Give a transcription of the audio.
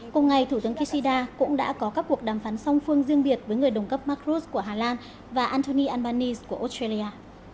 cùng ngày thủ tướng kishida cũng đã có các cuộc đàm phán song phương riêng biệt với người đồng cấp mark rutte của hà lan và anthony albanese của australia